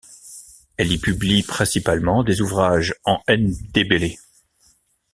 Elle y publie principalement des ouvrages en ndebele.